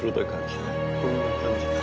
こんな感じかな？